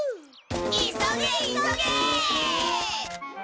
急げ急げ！